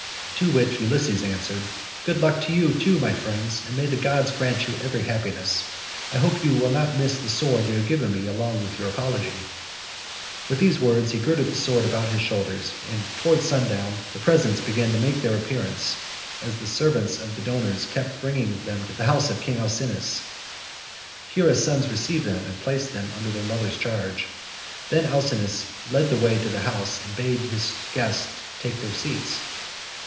To which Ulysses answered, "Good luck to you too my friend, and may the gods grant you every happiness. I hope you will not miss the sword you have given me along with your apology." With these words he girded the sword about his shoulders and towards sundown the presents began to make their appearance, as the servants of the donors kept bringing them to the house of King Alcinous; here his sons received them, and placed them under their mother's charge. Then Alcinous led the way to the house and bade his guests take their seats.